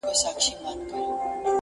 همدغه دروند دغه ستایلی وطن؛